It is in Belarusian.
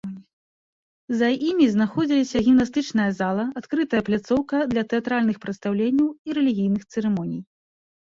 За імі знаходзіліся гімнастычная зала, адкрытая пляцоўка для тэатральных прадстаўленняў і рэлігійных цырымоній.